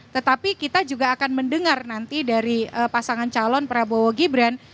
tetapi kita juga akan mendengar nanti dari pasangan calon prabowo gibran